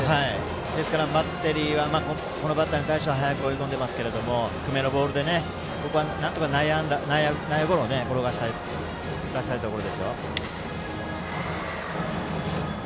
ですからバッテリーはこのバッターに対しては早めに追い込んでいますが低めのボールでここはなんとか内野ゴロを打たせたいところ。